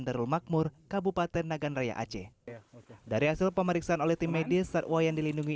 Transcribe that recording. darul makmur kabupaten nagan raya aceh dari hasil pemeriksaan oleh tim medis satwa yang dilindungi